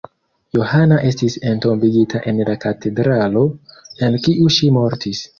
Johana estis entombigita en la katedralo, en kiu ŝi mortis.